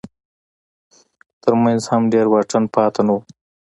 تر منځ هم ډېر واټن پاتې نه و.